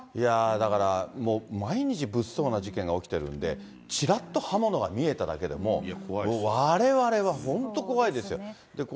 だから、もう毎日物騒な事件が起きてるんで、ちらっと刃物が見えただけでも、われわれは本当怖いです。